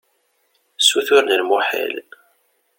Ssuturen lmuḥal.